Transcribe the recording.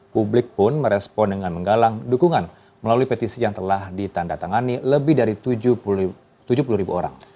publik pun merespon dengan menggalang dukungan melalui petisi yang telah ditanda tangani lebih dari tujuh puluh ribu orang